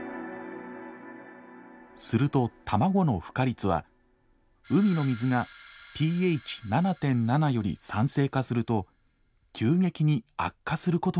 すると卵のふ化率は海の水がｐＨ７．７より酸性化すると急激に悪化することが分かった。